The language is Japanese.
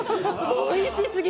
おいしすぎて。